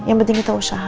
yang penting kita berusaha